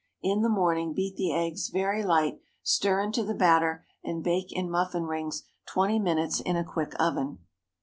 In the morning beat the eggs very light, stir into the batter, and bake in muffin rings twenty minutes in a quick oven.